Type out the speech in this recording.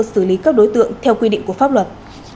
xử lý các đối tượng theo quy định của pháp luật